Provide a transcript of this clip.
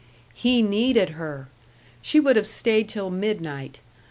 He needed her! She would have stayed till midnight.